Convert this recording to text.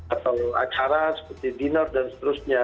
atau acara seperti dinner dan seterusnya